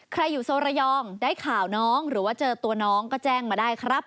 อยู่โซระยองได้ข่าวน้องหรือว่าเจอตัวน้องก็แจ้งมาได้ครับ